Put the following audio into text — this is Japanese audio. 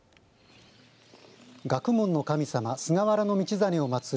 学問の神様、菅原道真を祭る